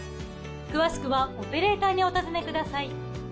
詳しくはオペレーターにお尋ねください。